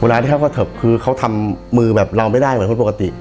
ที่เขากระเทิบคือเขาทำมือแบบเราไม่ได้เหมือนคนปกติ